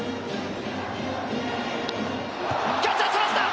キャッチャーそらした！